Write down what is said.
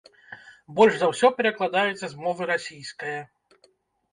Больш за ўсё перакладаецца з мовы расійскае.